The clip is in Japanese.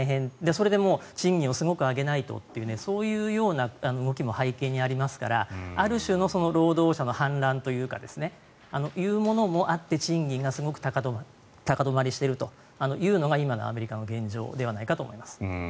それで賃金をすごく上げないとというそういうような動きも背景にありますからある種の労働者の反乱というかそういうものもあって賃金がすごく高止まりしているというのが今のアメリカの現状ではないかと思います。